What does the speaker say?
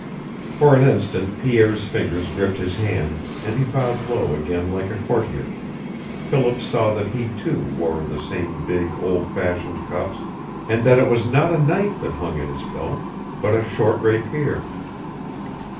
For an instant Pierre's fingers gripped his hand, and he bowed low again like a courtier. Philip saw that he, too, wore the same big, old fashioned cuffs, and that it was not a knife that hung at his belt, but a short rapier.